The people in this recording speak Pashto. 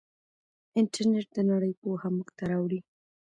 انټرنیټ د نړۍ پوهه موږ ته راوړي.